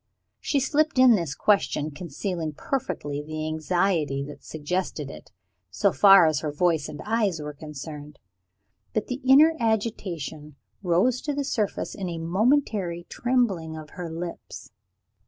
She slipped in this question, concealing perfectly the anxiety that suggested it, so far as her voice and her eyes were concerned. But the inner agitation rose to the surface in a momentary trembling of her lips.